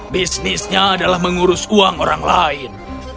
bisnisnya adalah mengurus uang orang lain